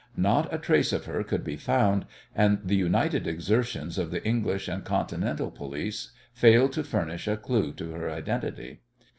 Not a trace of her could be found, and the united exertions of the English and Continental police failed to furnish a clue to her identity.